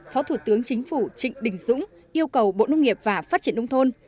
thó thủ tướng chính phủ trịnh đình dũng yêu cầu bộ nông nghiệp và phát triển đông thôn